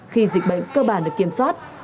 khi dịch bệnh cơ bản được kiểm soát